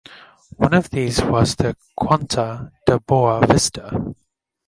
One of these was the "Quinta da Boa Vista".